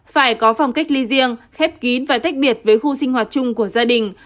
phải có phòng cách ly riêng khép kín và tách biệt với khu sinh hoạt chung của gia đình